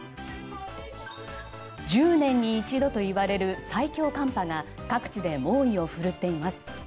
１０年に一度といわれる最強寒波が各地で猛威を振るっています。